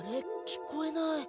聞こえない。